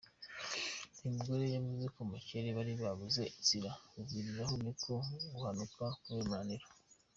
Uyu mugore yavuze ko mu kirere bari babuze inzira bubiriraho niko guhanuka kubera umunaniro.